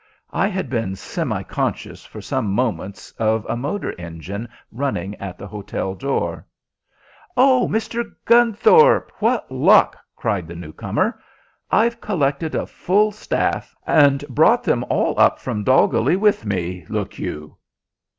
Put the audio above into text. I had been semi conscious for some moments of a motor engine running at the hotel door. "Oh, Mr. Gunthorpe, what luck!" cried the newcomer. "I've collected a full staff, and brought them all up from Dolgelly with me, look you."